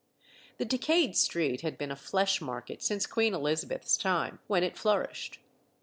The decayed street had been a flesh market since Queen Elizabeth's time, when it flourished.